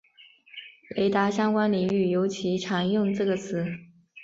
雷达相关领域尤其常用这个词。